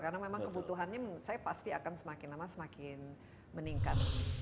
karena memang kebutuhannya saya pasti akan semakin lama semakin meningkat